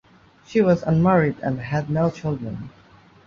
She was unmarried and had no children.